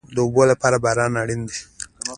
د اوبو لپاره باران اړین دی